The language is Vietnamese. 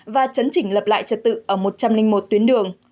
và chấn chỉnh lập lại trật tự ở một trăm linh một tuyến đường